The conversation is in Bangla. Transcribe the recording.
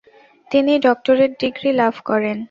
তিনি ডক্টরেট ডিগ্রী লাভ করেন।